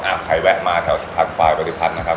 อ้าวใครแวะมาแถวสิบพันธุ์ภายปฏิพันธ์นะครับ